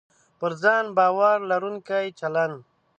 پر ځان باور لرونکی چلند